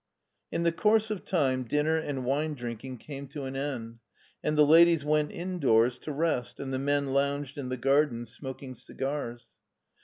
In the course of time dinner and wine drinking came to an end, and the ladies went indoors to rest and the men lounged in the garden smoking cigars.